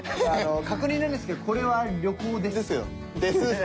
あの確認なんですけどこれは旅行です？です。